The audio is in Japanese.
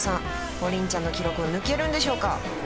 ＰＯＲＩＮちゃんの記録を抜けるんでしょうか？